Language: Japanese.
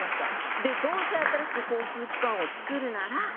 でどうせ新しく交通機関をつくるなら。